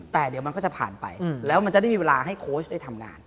แต่เดี๋ยวมันก็จะผ่านไปแล้วมันจะได้มีเวลาให้โค้ชได้ทำงาน